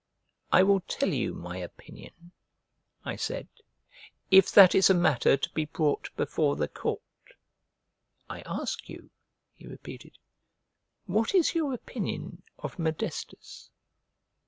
"I will tell you my opinion," I said, "if that is a matter to be brought before the court." "I ask you," he repeated, "what is your opinion of Modestus?"